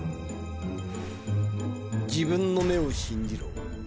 自分の目を信じろ。